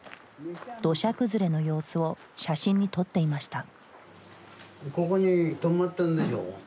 土砂崩れの様子を写真に撮っていました。